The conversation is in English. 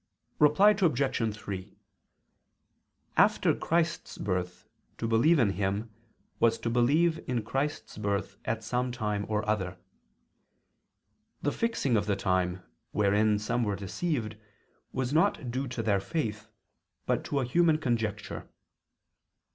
Reply Obj. 3: After Christ's birth, to believe in Him, was to believe in Christ's birth at some time or other. The fixing of the time, wherein some were deceived was not due to their faith, but to a human conjecture.